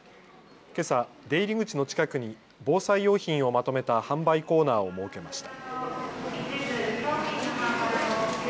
けさ、出入り口の近くに防災用品をまとめた販売コーナーを設けました。